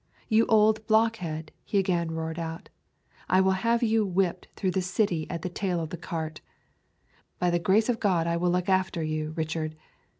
'You old blockhead,' he again roared out, 'I will have you whipped through the city at the tail of the cart. By the grace of God I will look after you, Richard.'